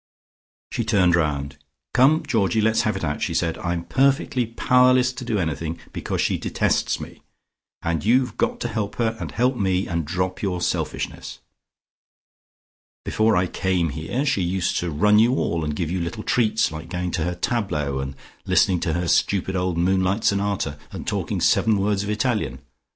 She turned round. "Come, Georgie, let's have it out," she said. "I'm perfectly powerless to do anything, because she detests me, and you've got to help her and help me, and drop your selfishness. Before I came here, she used to run you all, and give you treats like going to her tableaux and listening to her stupid old Moonlight Sonata, and talking seven words of Italian.